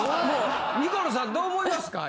ニコルさんどう思いますか？